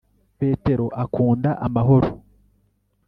Petero akunda amahoro.